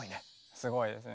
すごいですね。